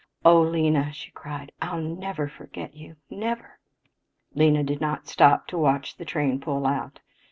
"Oh, Lena," she cried, "I'll never forget you never!" Lena did not stop to watch the train pull out.